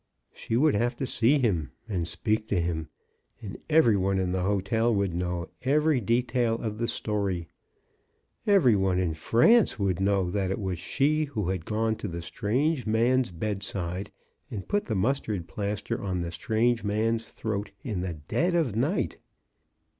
She would have to see him and speak to him, and every one in the hotel would know every detail of the story. Every one in France would know that it was she who had gone to the strange man's bedside and put the mustard plaster on the strange man's throat in the dead of night